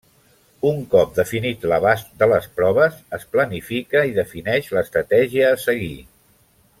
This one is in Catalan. Un cop definit l'abast de les proves, es planifica i defineix l'estratègia a seguir.